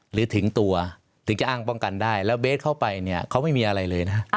หรือถึงตัวถึงจะอ้างป้องกันได้แล้วเบสเข้าไปเนี่ยเขาไม่มีอะไรเลยนะ